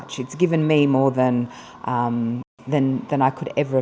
vì vậy tôi rất vui